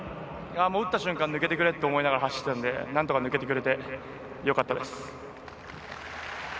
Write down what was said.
打った瞬間抜けてくれ！って思いながら走ってたので、なんとか抜けてくれてよかったです。